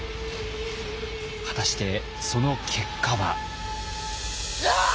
果たしてその結果は？